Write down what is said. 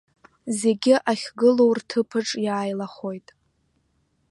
Зегьы ахьгылоу рҭыԥаҿ иааилахоит.